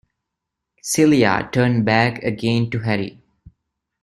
Celia turned back again to Harry.